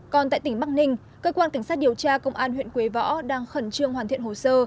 còn tại tỉnh bắc ninh cơ quan cảnh sát điều tra công an huyện quế võ đang khẩn trương hoàn thiện hồ sơ